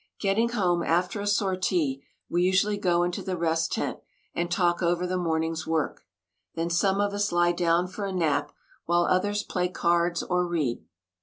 Getting home after a sortie, we usually go into the rest tent, and talk over the morning's work. Then some of us lie down for a nap, while others play cards or read.